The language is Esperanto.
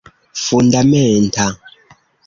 fundamenta